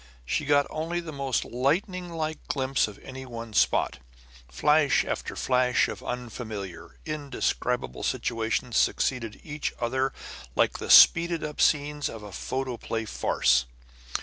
She got only the most lightninglike glimpse of any one spot; flash after flash of unfamiliar, indescribable situations succeeded each other like the speeded up scenes of a photoplay farce.